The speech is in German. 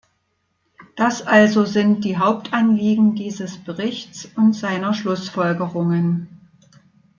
Das also sind die Hauptanliegen dieses Berichts und seiner Schlussfolgerungen.